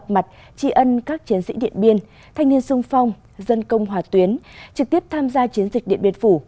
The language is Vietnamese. mặt tri ân các chiến sĩ điện biên thanh niên sung phong dân công hòa tuyến trực tiếp tham gia chiến dịch điện biên phủ